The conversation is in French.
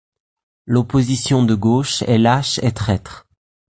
L’opposition de gauche est lâche et traître.